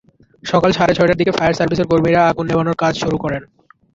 সকাল সাড়ে ছয়টার দিকে ফায়ার সার্ভিসের কর্মীরা আগুন নেভানোর কাজ শুরু করেন।